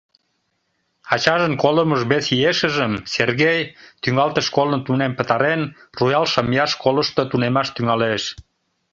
Ачажын колымыж вес иешыжым Сергей, тӱҥалтыш школым тунем пытарен, Руял шымияш школышто тунемаш тӱҥалеш.